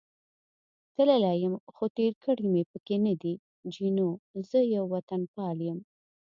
تللی یم، خو تېر کړې مې پکې نه ده، جینو: زه یو وطنپال یم.